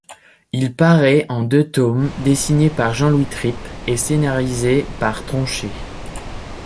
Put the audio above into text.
Il parait en deux tomes dessinés par Jean-Louis Tripp, et scénarisés par Tronchet.